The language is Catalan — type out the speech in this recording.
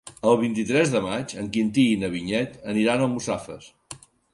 El vint-i-tres de maig en Quintí i na Vinyet aniran a Almussafes.